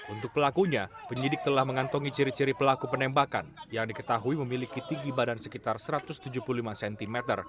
untuk pelakunya penyidik telah mengantongi ciri ciri pelaku penembakan yang diketahui memiliki tinggi badan sekitar satu ratus tujuh puluh lima cm